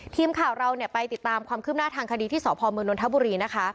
ทีมข่าวเราไปติดตามความคืบหน้าทางคดีที่สพมนนทบุรีนะคะ